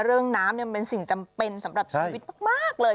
เรื่องน้ำเป็นสิ่งจำเป็นสำหรับชีวิตมากเลย